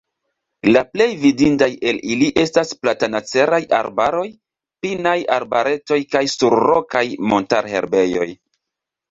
La plej vidindaj el ili estas platanaceraj arbaroj, pinaj arbaretoj kaj surrokaj montarherbejoj.